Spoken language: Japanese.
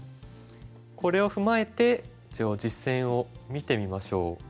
これを踏まえて実戦を見てみましょう。